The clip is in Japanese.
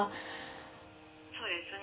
そうですね。